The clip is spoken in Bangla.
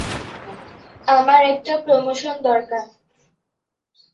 আমার একটা প্রমোশন দরকার।